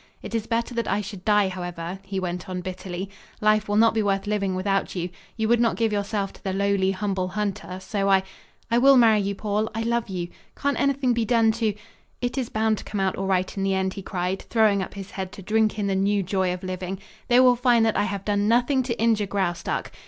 "It is better that I should die, however," he went on bitterly. "Life will not be worth living without you. You would not give yourself to the lowly, humble hunter, so I " "I will marry you, Paul. I love you. Can't anything be done to " "It is bound to come out all right in the end," he cried, throwing up his head to drink in the new joy of living. "They will find that I have done nothing to injure Graustark.